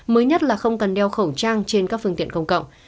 mới nhất là không cần đeo khẩu trang trên các phương tiện công cộng